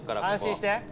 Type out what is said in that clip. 安心して。